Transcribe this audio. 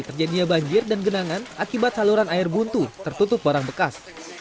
terjadinya banjir dan genangan akibat saluran air buntu tertutup barang bekas